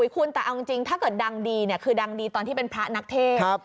คุณแต่เอาจริงถ้าเกิดดังดีคือดังดีตอนที่เป็นพระนักเทพ